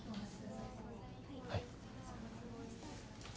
はい。